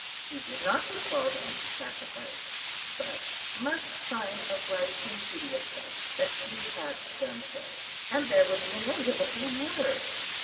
She would not be called on to sacrifice, but must sign a writing to the effect that she had done so, and there would be an end of the whole matter.